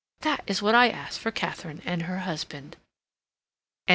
That is what I ask for Katharine and her husband."